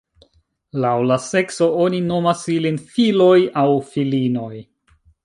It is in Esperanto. Laŭ la sekso oni nomas ilin filoj aŭ filinoj.